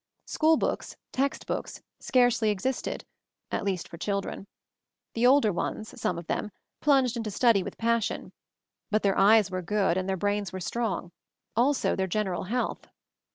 "School books" — "text books" — scarcely existed, at least for children. The older ones, some of them, plunged into study with passion; but their eyes were good and their brains were strong; also their general health.